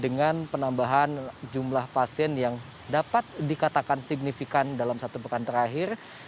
dengan penambahan jumlah pasien yang dapat dikatakan signifikan dalam satu pekan terakhir